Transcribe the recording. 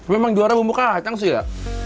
memang juara bumbu kacang sih ya